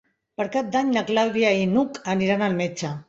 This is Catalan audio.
Per Cap d'Any na Clàudia i n'Hug aniran al metge.